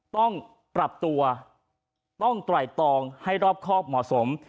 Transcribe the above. ต้องปรับตัวต้องไตรตองให้รอบครอบเหมาะสม